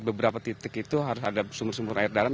beberapa titik itu harus ada sumur sumur air dalam